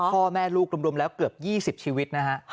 พ่อแม่ลูกรวมแล้วเกือบ๒๐ชีวิตนะฮะ